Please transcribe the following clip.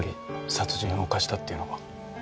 殺人を犯したって言うのか？